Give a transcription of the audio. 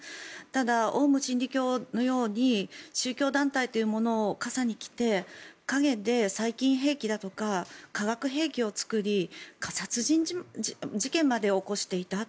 ただ、オウム真理教のように宗教団体というものをかさに着て陰で細菌兵器だとか化学兵器を作り殺人事件まで起こしていた。